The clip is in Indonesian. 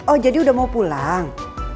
oh jadi udah mau pulang